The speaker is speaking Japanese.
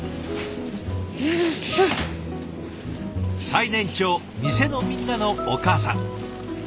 最年長店のみんなのお母さん。